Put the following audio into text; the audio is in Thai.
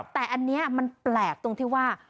แต่อันนี้มันแปลกตรงที่ว่า